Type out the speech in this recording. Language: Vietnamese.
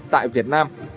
tại việt nam